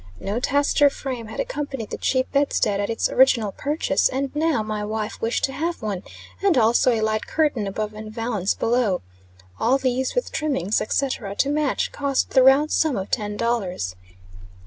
No tester frame had accompanied the cheap bedstead at its original purchase, and now my wife wished to have one, and also a light curtain above and valance below. All these, with trimmings, etc., to match, cost the round sum of ten dollars.